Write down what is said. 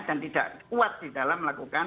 dan tidak kuat di dalam melakukan